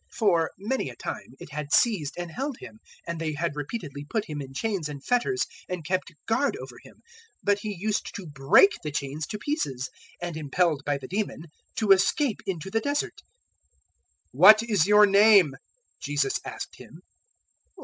For many a time it had seized and held him, and they had repeatedly put him in chains and fetters and kept guard over him, but he used to break the chains to pieces, and, impelled by the demon, to escape into the Desert. 008:030 "What is your name?" Jesus asked him.